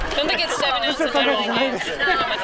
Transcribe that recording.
吉野さんだけじゃないです。